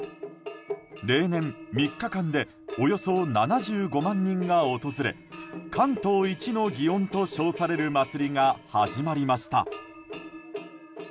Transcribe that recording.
例年３日間でおよそ７５万人が訪れ関東一の祇園と称される祭りが始まりました。